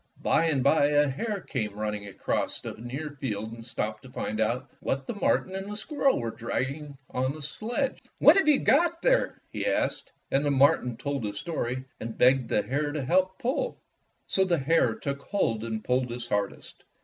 By and by a hare came running across a Fairy Tale Foxes 123 near field and stopped to find out why the marten and the squirrel were dragging the sledge. ''What have you got there?'' he asked. And the marten told his story and begged the hare to help pull. So the hare took hold and pulled his hard est.